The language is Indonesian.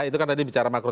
itu kan tadi bicara makro